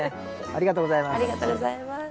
ありがとうございます。